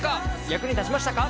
役に立ちましたか？